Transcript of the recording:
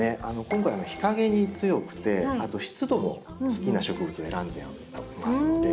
今回日陰に強くて湿度も好きな植物を選んでいますので。